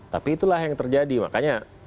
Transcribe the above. tapi itulah yang terjadi makanya